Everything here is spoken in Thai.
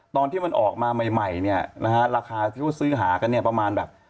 ตอนที่มันออกมาใหม่เนี่ยนะฮะราคาที่เขาซื้อหากันเนี่ยประมาณแบบ